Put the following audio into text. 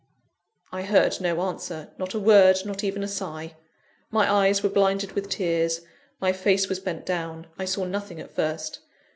I heard no answer not a word, not even a sigh. My eyes were blinded with tears, my face was bent down; I saw nothing at first.